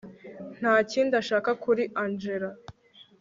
ntakindi ashaka kuri angella